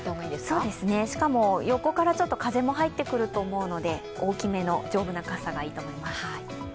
そうですね、しかも横から風も入ってくると思うので、大きめの丈夫な傘がいいと思います。